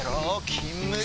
「金麦」